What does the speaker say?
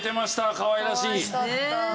かわいらしい。